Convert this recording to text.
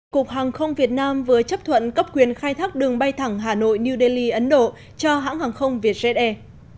cục hàng không việt nam vừa chấp thuận cấp quyền khai thác đường bay thẳng hà nội new delhi ấn độ cho hãng hàng không vietjet air